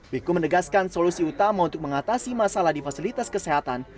wiku menegaskan solusi utama untuk mengatasi masalah di fasilitas kesehatan